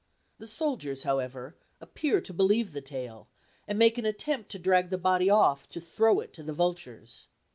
The soldiers, however, appear to believe the tale, and make an attempt to drag the body off to throw it to the vultures.